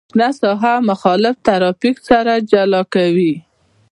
شنه ساحه مخالف ترافیک سره جلا کوي